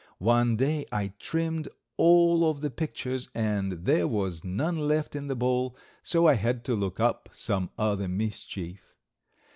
One day I trimmed all of the pictures, and there was none left in the bowl, so I had to look up some other mischief.